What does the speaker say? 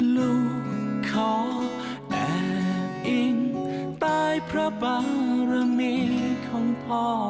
ลูกขอแอบอิ่งตายพระบารมีของพ่อ